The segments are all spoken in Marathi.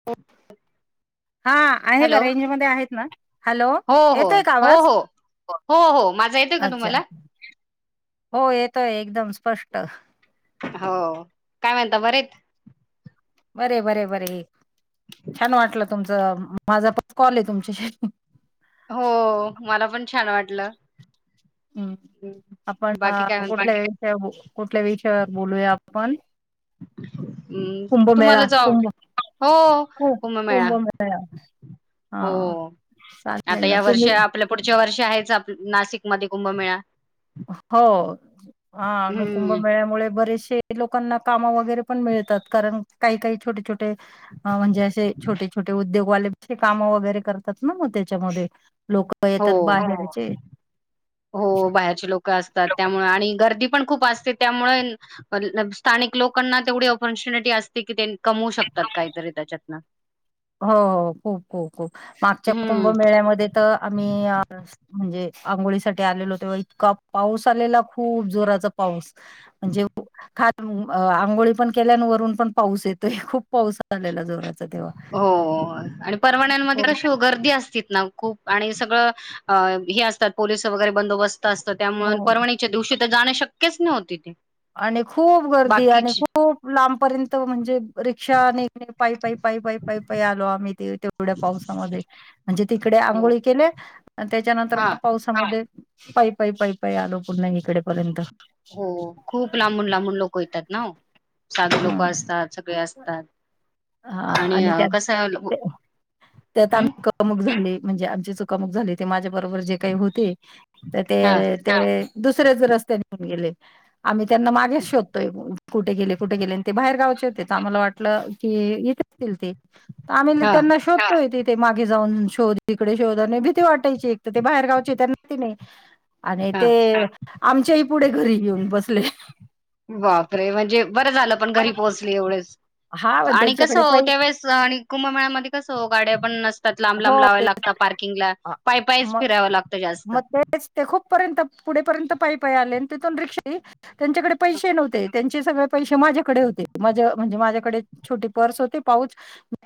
[inaudible] हा आहे का हॅलो रेंज मध्ये आहेत ना, हॅलो हो हो येतोय का हो आवाज? हो हो हो माझा येतोय का अच्छा. तुम्हाला? हो येतोय एकदम स्पष्ट. हो, काय म्हणता बरे बरे बरे बरे छान वाटलं तुमचं, माझा पण कॉल आहे तुमच्याशी. हो मला पण छान वाटलं, हम् हम्म. आपण बाकी काय म्हणतात कुठल्या विषया बो कुठल्या विषयावर बोलूया आपण? [unintelligible] हम्म तुम्हाला कुंभमेळा जाव कुंभ हो कुंभमेळा हा हो चालेल आता ना या तुम्ही वर्षी आपल पुढच्या वर्ष आहेच आपण नाशिकमध्ये कुंभमेळा. हो हा आणि हम्म कुंभमेळ्यामुळे बरेचशे ते लोकांना काम वगैरे पण मिळतात कारण काही काही छोटे छोटे म्हणजे असे छोटे छोटे उद्योगवालेचे काम वगैरे करतात ना मग त्याच्यामध्ये लोक हो येतात बाहेरचे, हो बाहेरचे लोक असतात लोक- त्यामुळे आणि गर्दी पण खूप असते त्यामुळे पण स्थानिक लोकांना तेवढी ऑपॉर्च्युनिटी असते की ते कमवू शकतात काहीतरी त्याच्यातन. हो हो खूप खूप खूप मागच्या हम्म कुंभमेळ्यामध्ये तर आम्ही म्हणजे आंघोळी साठी आलेलो तेव्हा इतका पाऊस आलेला खूप जोराचा पाऊस, अह जेव, खा आंघोळी पण केलोय वरून पण पाऊस येतोय खूप पाऊस [inaudible] जोरात, हो आणि परवान्यामध्ये कशी हो गर्दी असती ना खूप, आणि सगळं अ हे असतात पोलीस वगैरे बंदोबस्त असतं त्यामुळे हो परवणी त्या दिवशी तर जाणं शक्यच नव्हते ते. आणि खूप गर्दी आणि खूप लांबपर्यंत म्हणजे रिक्षा निघ पाय पाई पाई पाई पाई पाई आलो आम्ही ते तेवढ्या पावसामध्ये. म्हणजे तिकडे हो आंघोळी केले त्याच्यानंतर हां म पाऊस त्यांच्या पाई पाई पाई पाई आलो पुन्हा इकडेपर्यंत, हो खूप लांबून लांबून लोक येतात ना हो. साधी लोक हम्म असतात सगळे असतात हा आणि त्यात कसं आहं ते त्यात [inaudible] चुकामुक झाली म्हणजे आमची चुकामुक झाली ते माझ्या बरोबर जे काही होते. तर हां ते ते दुसऱ्याच रस्ताने निऊन गेले आम्ही त्यांना मागे शोधतोय-‍- कुठे गेले कुठे गेले आणि ते बाहेर गावचे होते आम्हाला वाटलं की येतील ते आम्हीबी हां त्यांना शोधतोय तिथे मागे जाऊन शोध इकडे शोध आणि भीती वाटयची एक तर ते बाहेरगावची त्यांना ती नाही [unintelligible] आणि हां ते आमच्याही पुढे घरी येऊन बसले, बापरे म्हणजे बरं झालं पण घरी पोहोचली एवढेच हा आणि कसं त्यांच्याकडे हो पै त्यावेळेस स आणि कुंभमेळ्यामध्ये कसं गाड्या पण नसत‍ त्यात लांब लांब हो लावाव ते लागत पार्किंगला मग पायपाईच फिरावं लागतं जास्त. मग तेच ते खूपपर्यंत पुढेपर्यंत पाई पाई आले आणि तिथून रिक्षा आली त्यांच्याकडे पैसे नव्हते त्यांची सगळ पैसे माझ्याकडे होते माझ म्हणजे माझ्याकडे छोटी पर्स होते पाऊच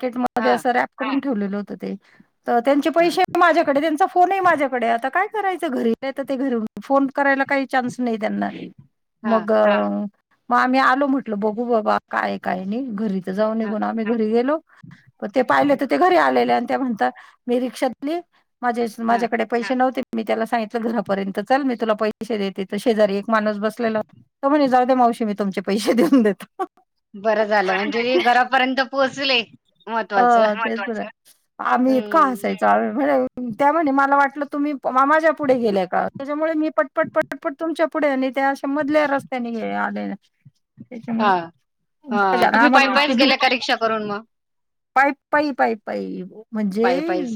तेच मला दया हां, सरआ करून ठेवलेलं होत ते तर त्यांचे हां, पैसे माझ्याकडे त्यांचा फोनही माझ्या कडे आता काय करायचं घरी ते घरी फोन करायला काही चान्स नाही त्यांना, हां, मग आम्ही आलो म्हटलं बघू बाबा काय काय नाही घरी‍ जाऊ हां, निघून आम्ही घरी गेलो प ते पाहिले तर ते घरी आलेले आणि त्या म्हणतात मी रिक्षा माझी हां. माझ्याकडे पैसे नव्हते मी त्याला सांगितलं घरापर्यंत चल मी तुला पैसे देते तर शेजारी एक माणूस बसलेला तो म्हणे जाऊद्या मावशी मी तुमचे पैसे देऊन देतो. बरं झालं, म्हणजे हे घरापर्यंत पोहोचले. महत्वाचं. अ [inaudible] आम्ही इतकां हं, हसायच आम्ही म्हणत त्या म्हणे मला वाटलं तुम्ही- मामाझ्या पुढे गेलेय का- त्याच्यामुळे मी पण पटपट पटपट तुमच्या पुढे आले त्या आशा मधल्या रस्त्याने ये आले. त्याच्यामुळे हां, हां. तुम्ही पायी पायीच गेल्या [inaudible] का रिक्षा करून म- पाईप पाई पाईप पाई म्हणजे पायी पायीच.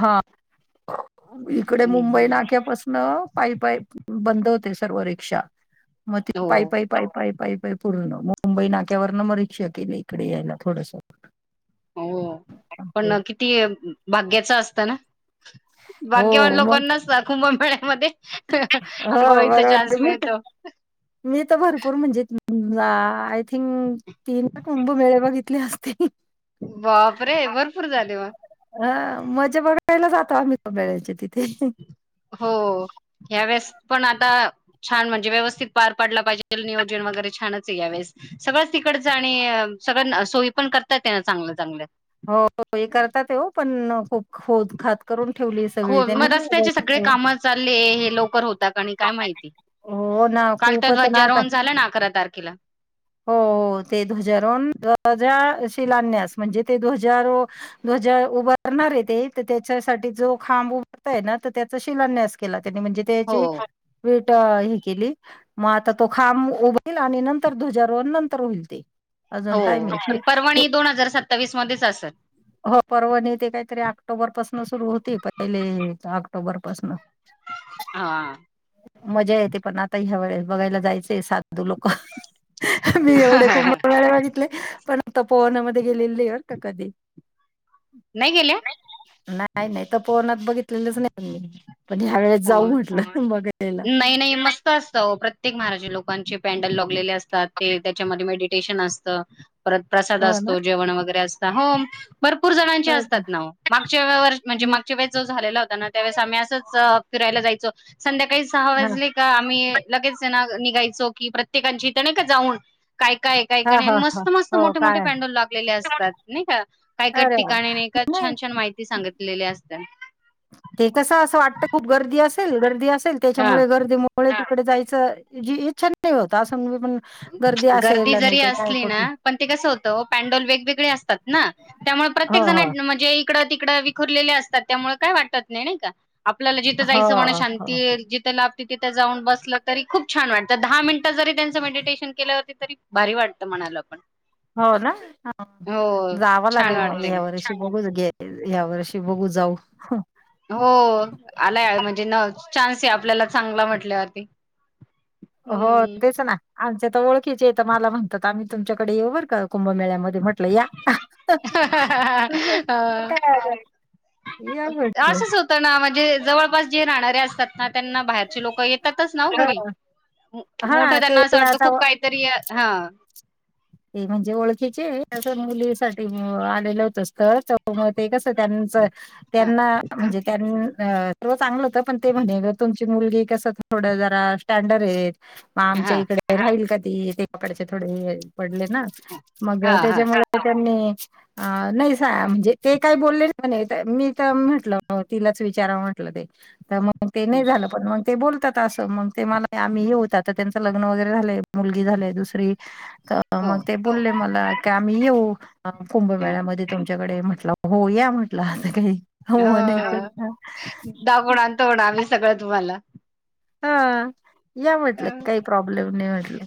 हा- इकडे हं, मुंबई हं. नाक्यापासून पायी पायी बंद होते सर्व रिक्षा- म ते हो, पायी पयी - पाय पाय पाय पाय पूर्ण मुंबई नाक्यावरंन म रिकक्षा केली इकडे यायला थोडस - हो पण किती भाग्याच असत ना- हो भाग्यवान मग लोकांनाच ना कुंभ मेळ्यामध्ये हो अंघोळीचा बरोबर चान्स मी तर मिळतो. मी तर भरपूर म्हणजे आ - थिंग तीन कुंभ मेळे बघितली असतील. बाप रे! भरपूर झाले म- हा मजा बघायला जातो आम्ही [inaudible] च्या तिथे- हो ह्या वेळेस पण आता- छान म्हणजे व्यवस्थित पार पडला पाहिजे नियोजन वगैरे छानच आहे या वेळेस- सगळंच तिकडच आणि सगळं सोयी पण करतात त्यांना चांगलं चांगलं - हो हे करताताव पण खूप खोद खात- हो मग रस्त्याचे सगळे काम चालले हे लवकर होता नाही काय माहिती. हो ना काल तर खूपच ना आता ध्वजारोहण झालं ना अकरा तारखेला- हो हो ते ध्वजारोन धवजा शिलाण्यास म्हणजे ते ध्वजारो- ध्वजा उभारणार आहे ते तर त्याच्यासाठी जो खांब उभरलाय ना तर त्याचा शिलान्यास केला त्यानी म्हणजे- हो त्याची विट हे केली- मग आता तो खांब उभरिईल आणि नंतर ध्वजारोण नंतर होईल ते- अजून हो टाईम आहे हे पण हे परवणी दोन हजार सत्तावीस मध्येच असलं - हो पर्वणी ते काहीतरी ऑक्टोबर पाासन सुरु होती पहिले ऑक्टोबर पाासन- हा- मजा येते पण आता ह्या वळेस बघायला जायचे साधू लोक- मी एवढे खूप वेळा बघितले पण तपोवनामध्ये गेलेलेत का कधी ते- नाही गेले- नाही नाही तपोवनात बघितलेलेच नाही मी- पण ह्या वेळेस जाऊ हो म्हटलं बघायला. [inaudible] असताव प्रत- प्रत्येक महाराज लोकांचे पॅनडल लाॅगलेले असतात ते त्याच्यामध्ये मेडिटेशन असतं परत- प्रसाद हो ना असतो जेवण वगैरे असत हो- भरपूर जणांचे हो का असतात ना ओ मागच्या वे व म्हणजे मागच्या वेळेस जो झालेला होता ना त्यावेळेस आम्ही असंच- फिरायला जायचो संध्याकाळी सहा हा वाजले- आम्ही लगेच ना निघायचो की प्रत्येकची ते नायका जाऊन काय- काय- काही हा काही आणि हा हा मस्त - मस्त हो मोठे - मोठे काय पॅनडल लागलेले असतात नाही का- काय काय अरे वा ठिकाणी नायका छान नाही - छान माहिती सांगितलेली असतात. ते कसं असं वाटत खूप गर्दी असेल गर्दी असेल हा. त्याच्यामुळे गर्दी म- पुढे तिकडे जायचं जी इच्छा नाही होत असं पण- असेल गर्दी आणि जरी ते काय असली ना कुठलं पण ते कसं होतं पॅन्डल वेगवेगळे असतात ना- त्यामुळे हो प्रत्येक जण हो म्हणजे इकडं तिकडं विखरलेले असतात त्यामुळे काय वाटत नाही नाही का? आपल्याला जिथं हो, जायचं म्हणा हो. शांती जिथं ला तिथे जाऊन बसलं तरी खूप छान वाटत, दहा मिनटं जरी त्याचं विडीत श केल्यावरती तरी भारी वाटत म्हणाला पण. हो ना हो जावं छान लागेल वाटतंय या वर्ष [unintelligible] यावर्षी बघू जाऊ. हो आला म्हणजे न चान्स आहे आपल्याला चांगला म्हटल्यावरती. हो हम्म तेच ना आमच्या तर ओळखीचे येत मला म्हणतात आम्ही तुमच्याकडे येऊ बर का कुंभमेळ्या मध्ये म्हटलं या. अ, काय या म्हटलं. असंच होतं ना म्हणजे जवळपास जे राहणारे असतात ना त्यांना बाहेरचे लोक येतातच नाव घरी! हां. मोठ हां, ते त्यांना असं वाटतं आता खूप काहीतरी हा. ते म्हणजे ओळखीचे माझ्या मुलीसाठी आलेलं होत स्त्र च ते कस त्यांच हा त्यांना म्हणजे त्यां सव चांगलं होत. पण ते म्हणे ग तुमची मुलगी कस थोड जरा स्टँडर्ड ये म आमच्या हा इकडे राहिल का ती ते कपड्याचे थोडे पडले ना मग हा हा त्याच्यामुळे त्यांनी अ नाही सा म्हणजे ते काही बोलले नाही, मी तर म्हटलं तिलाच विचारावं म्हटलं ते. तर मग ते नाही झालं पण मग ते बोलतात असं मग ते मला आम्ही हे होतात तर त्यांचं लग्न वगैरे झालंय मुलगी झालेय दुसरी. तर हो मग ते बोलले मला क आम्ही येऊ. कुंभमेळ्यामध्ये तुमच्याकडे म्हटलं हो या म्हटलं असा काही हो नाही तर दाखवून आणतो आम्ही सगळं तुम्हाला. हा या म्हटलं हम्म. काही प्रॉब्लेम नाही म्हटल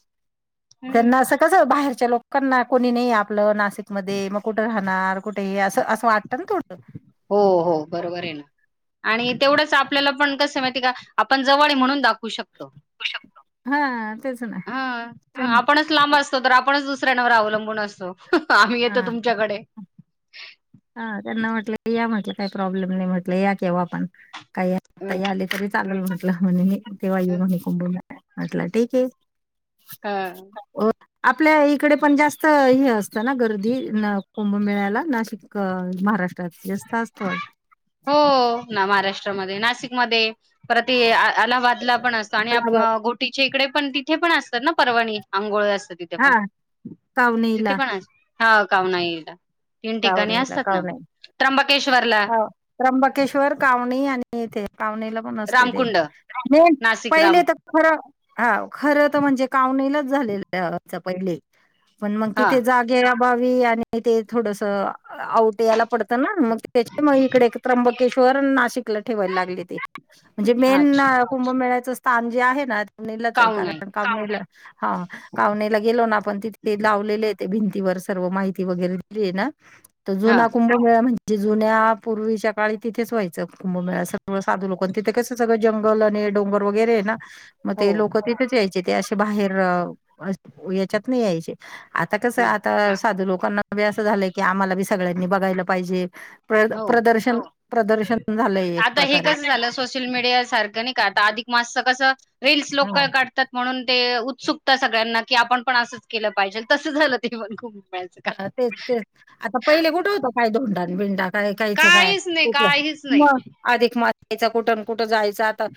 त्यांना असं कसं बाहेरच्या लोकांना कोणी नाही आपलं नासिक मध्ये मग कुठे राह णार कुठे असं असं वाटतं ना थोडं. हो हो बरोबर हाय. आणि तेवढंच आपल्याला पण कस माहिती का आपण जवळ म्हणून दाखवू शकतो. हा तेच ना हा हा आपणच लांब अस तो तर आपणच दुसऱ्यांवर अवलंबून असतो आम्ही येतो हा तुमच्याकडे, हा त्यांना म्हटलं या म्हटलं काही प्रॉब्लेम नाही म्हटलं या केव्हा पण काही [unintelligible] तरी चालल म्हटलं म्हणे तेव्हा येऊ म्हणे कुंभमेळाला म्हटलं ठीक आहे. हा! अ आपल्या इकडे पण जास्त हे असतं ना गर्दी कुंभमेळ्याला नाशिकला. क महाराष्ट्रात [unintelligible] असत वाटतं. हो, ना महाराष्ट्रामध्ये नाशिकमध्ये‌. पर ते अलाहाबादला पण असतो अलाहाबाद आणि तिच्या इकडे पण तिथे पण असता ना परवणी आंघोळ असतं, तिथे हा पण, तिथे कावनीला पण आज हा [unintelligible] ला तीन ठिकाणी कावनीला असतात ना कावनी त्र्यंबकेश्वरला, हो. त्र्यंबकेश्वर कावनई आणि येथे कावनई ला पण असते ते, रामकुंड नाशिक राम पहिले तर खरं. हा खरं तर म्हणजे कावनाईलाच झालेलं पहिले. पण मग हा तिथे जागे अभावी आणि ते थोडस आऊट याला पडतं, तर ना मग त्याच्या मग इकडे त्र्यंबकेश्वर अन् नाशिकला ठेवायला लागले ते. म्हणजे हा मेन कुंभमेळ्याच स्थान जे आहे ना ते नेलंच आहे काऊनाई कारण कावनाई ला हा कावनाई गेलो ना आपण तिथे लावलेले आहेेत भिंतीवर सर्व माहिती वगैरे लिले ना. ते हा जुना कुंभमेळा म्हण जे जुन्या पूर्वीच्या काळी तिथेच व्हायचं कुंभमेळा सर्व साधू लोक तिथे कस सगळं जंगल आणि डोंगर वगैरे ना. मग हो ते लोक तिथेच यायचे ते असे बाहेर याच्यात नाही यायचे. आता कस हा आता साधू लोकांना बी असं झालंय की आम्हाला बी सगळ्यांनी बघायला पाहिजे. प्र हो प्रदर्शन प्रदर्शन झालंय एक आता हे प्रकारे. कसं झालं सोशल मीडिया सारखं नाही का आता अधिकमास कसं रीलस लोक हा काढतात. म्हणून ते उत्सुकता सगळ्यांना की आपण पण असंच केलं पाहिजेल तसं झालं ते पण खूप. वेळाचं अ तेच तेच आता पहिले का कुठे होत काय धोंडा आण बिंडा. काय कायचं काय काहीच नाही कुठलं काहीच नाही मग आधिक मातयच कुठ कुठे जायचं आता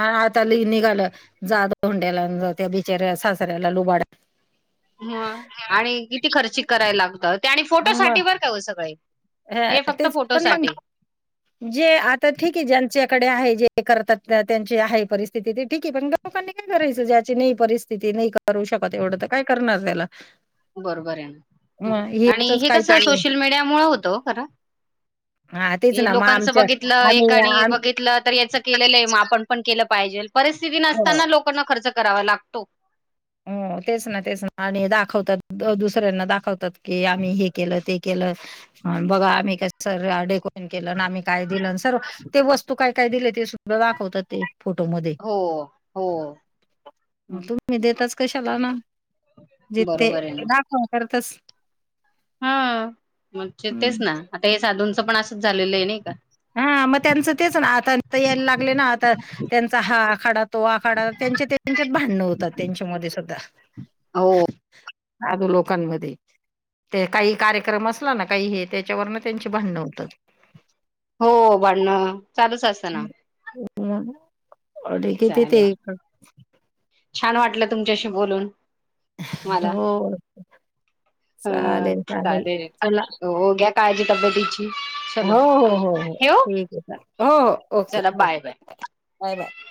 हा निघाल जाद धोंड्याला जात्या बिचाऱ्या सासऱ्याला लुबाडा ह आणि किती खर्चिक करायला लागतं ते आणि फोटो मग साठी बर का हो सगळ हे. हं, हे फक्त तेच पण मग फोटोसाठी. जे आता ठीक आहे ज्यांच्याकडे आहे जे करतात त्यांची आहे परिस्थिती ते ठीक आहे पण लोकांनी काय करायचं ज्याची नाही परिस्थिती नाही करू शकत एवढं तर काय करणार त्याला बरोबर आहे मग आणि हेच हे कसं काहीतरी सोशल मीडिया मुळ होतं खर. हा तेच. ना मग लोकांचं आमच्या बघितलं आम्ही एक आणि आम बघितलं तर याचं केलेलं आहे मग आपण पण केलं पाहिजेल परिस्थिती हो. नसताना लोकांना खर्च करावा लागतो. हो तेच ना तेच ना आणि दाखवतात दुसऱ्यांना दाखवतात की आम्ही हे केलं ते केलं. ह बघा आम्ही का स डेकोरेशन केलं आम्ही काय दिलं सर्व ते वस्तू काय काय दिले ते सगळ दाखवतात ते फोटो मध्ये हो हो तुम्ही देताच कशाला ना जिथे बरोबर आहे ना दाखवण करतस. हा म्हणजे तेच ना आता हे साधूंचं पण असंच झालेलं आहे नाही का. हा मग त्यांचं तेच ना आता यायला लागले ना आता त्यांचा हा आखाडा तो आखाडा त्यांचे त्यांचेत भांडण होतात त्यांच्या मध्ये सुद्धा. हो साधू लोकांमध्ये. ते काही कार्यक्रम असला ना काही हे त्याच्यावरन त्यांची भांडणं होतात. हो भाडणं चालूच अस अ किती ते चालेल एक छान वाटलं तुमच्याशी बोलून. मला हो. अ चालेल चालेल चला हो घ्या काळजी तब्येतीची चलो हो हो हो हो. ठेवू ठीक आहे चालेल हो हो ओके चला bye bye okay bye bye.